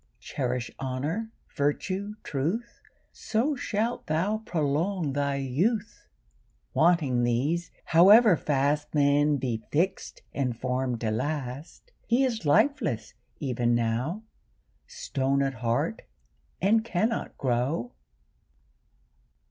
Cherish honour, virtue, truth, So shalt thou prolong thy youth. Wanting these, however fast Man be fix'd and form'd to last, He is lifeless even now, Stone at heart, and cannot grow.